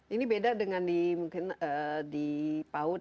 ini beda dengan di paut